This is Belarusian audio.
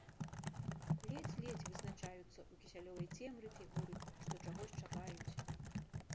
Ледзь-ледзь вызначаюцца ў кісялёвай цемры фігуры, што чагось чакаюць.